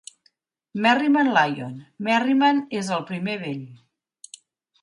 Merriman Lyon: Merriman és el primer Vell.